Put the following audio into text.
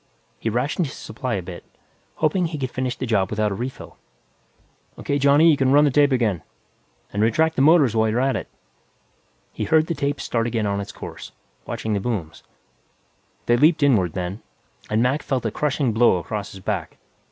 He rationed his supply a bit, hoping he could finish the job without a refill. "O.K., Johnny, you can run the tape again. And retract the motors while you're at it." He heard the tape start again on its course, watching the booms. They leaped inward, then, and Mac felt a crushing blow across his back.